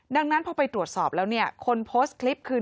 ดังนั้นพอไปตรวจสอบแล้วเนี่ยคนโพสต์คลิปคือ